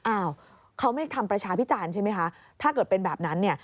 อ้าวเขาไม่ทำประชาพิจารณ์ใช่ไหมคะถ้าเกิดเป็นแบบนั้นเนี่ย